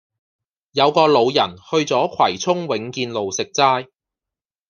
有個老人去左葵涌永建路食齋